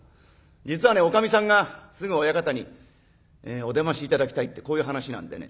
実はね女将さんがすぐ親方にお出まし頂きたいってこういう話なんでね。